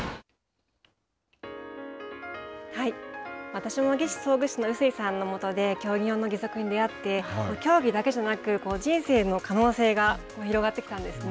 私も義肢装具士の臼井さんのもとで競技用の義足に出会って、競技だけじゃなく、人生の可能性が広がってきたんですね。